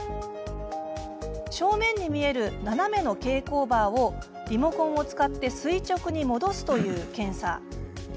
正面に見える斜めの蛍光バーをリモコンを使って垂直に戻すという検査。